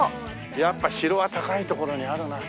やっぱ城は高い所にあるな。